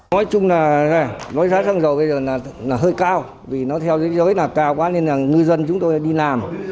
nói chung là nói giá xăng dầu bây giờ là hơi cao vì nó theo thế giới là cao quá nên là ngư dân chúng tôi đi làm